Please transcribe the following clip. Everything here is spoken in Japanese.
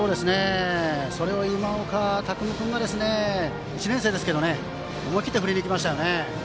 それを今岡拓夢君が１年生ですけど思い切って振り抜きましたね。